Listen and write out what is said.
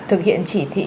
thực hiện chỉ thị